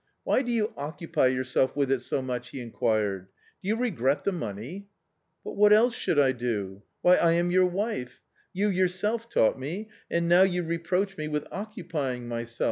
"Why do you occupy yourself with it so much?" he inquired ;" do you regret the money ?"" But what eke should I do ? Why, I am your wife ? You yourself taught me .... and now you reproach me with occupying myself